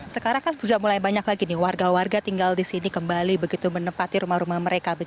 sekarang kan sudah mulai banyak lagi nih warga warga tinggal di sini kembali begitu menempati rumah rumah mereka